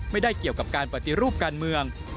ไม่ได้เกี่ยวกับการปฏิรูปการเมือง